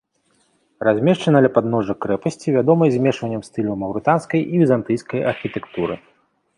Размешчана ля падножжа крэпасці, вядомай змешваннем стыляў маўрытанскай і візантыйскай архітэктуры.